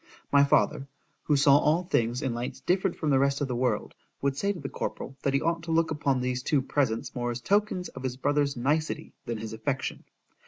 My father, who saw all things in lights different from the rest of the world, would say to the corporal, that he ought to look upon these two presents more as tokens of his brother's nicety, than his affection.